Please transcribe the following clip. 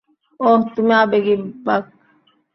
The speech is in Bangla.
ওহ, তুমি আবেগী, বাক।